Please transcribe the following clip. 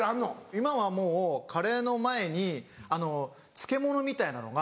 今はもうカレーの前に漬物みたいなのが。